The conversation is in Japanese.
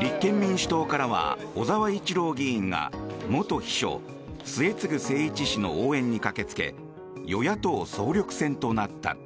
立憲民主党からは小沢一郎議員が元秘書、末次精一氏の応援に駆けつけ与野党総力戦となった。